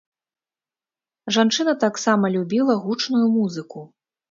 Жанчына таксама любіла гучную музыку.